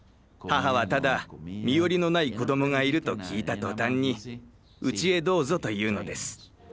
母はただ身寄りのない子どもがいると聞いた途端に「うちへどうぞ」と言うのです。